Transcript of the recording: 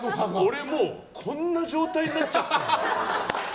俺、もうこんな状態になっちゃったんだって。